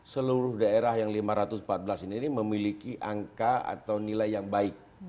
seluruh daerah yang lima ratus empat belas ini memiliki angka atau nilai yang baik